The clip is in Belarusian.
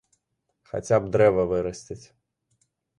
Хаця б дрэва вырасціць.